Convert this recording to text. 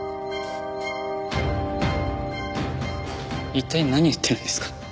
一体何言ってるんですか？